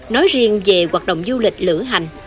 nói riêng về hoạt động du lịch lửa hành